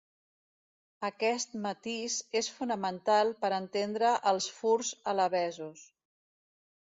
Aquest matís és fonamental per a entendre els furs alabesos.